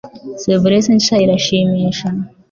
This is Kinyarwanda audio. Sevres nshya irashimisha